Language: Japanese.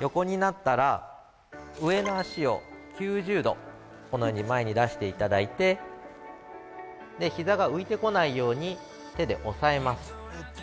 ◆横になったら上の脚を９０度、このように前に出していただいてひざが浮いてこないように手で押さえます。